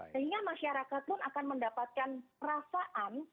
sehingga masyarakat pun akan mendapatkan perasaan bahwa oke yang ini tulus